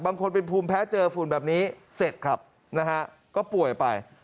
บางคนเป็นภูมิแพ้เจอฝุ่นแบบนี้เสร็จครับนะฮะก็ป่วยไป